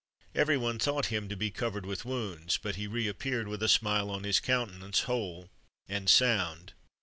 Every one thought him to be covered with wounds, but he re appeared, with a smile on his countenance, whole and sound.